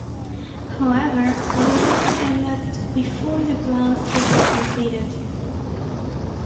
However, the war ended before the plans could be completed.